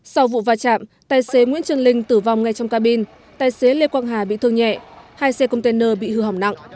sau vụ va chạm tài xế nguyễn trần linh tử vong ngay trong cabin tài xế lê quang hà bị thương nhẹ hai xe container bị hư hỏng nặng